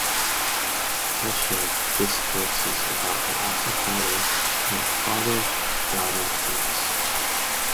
Kesha discourses about her absent father in "Father Daughter Dance".